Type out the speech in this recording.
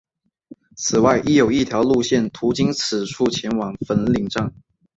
此外亦有一条路线途经此处前往粉岭站。